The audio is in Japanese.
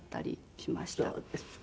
そうですか。